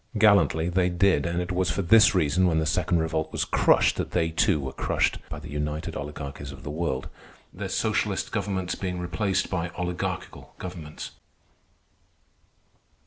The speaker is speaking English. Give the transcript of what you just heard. Gallantly they did; and it was for this reason, when the Second Revolt was crushed, that they, too, were crushed by the united oligarchies of the world, their socialist governments being replaced by oligarchical governments.